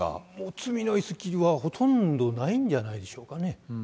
罪の意識はほとんどないんじゃないでしょうかね。